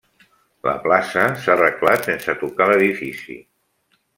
La plaça s'ha arreglat sense tocar l'edifici.